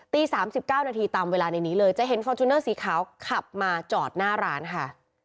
๓๙นาทีตามเวลาในนี้เลยจะเห็นฟอร์จูเนอร์สีขาวขับมาจอดหน้าร้านค่ะ